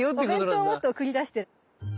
お弁当を持って送り出してる。